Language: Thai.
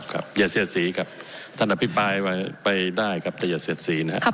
อย่าเสียดสีครับท่านอภิปรายไว้ไปได้ครับแต่อย่าเสียดสีนะครับ